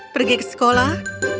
pergi ke sekolah